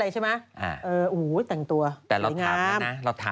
เราถามไหนงาน